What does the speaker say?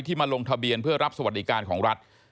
มาลงทะเบียนเพื่อรับสวัสดิการของรัฐ